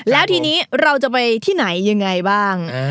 แล้วทีนี้เราจะไปที่ไหนยังไงบ้าง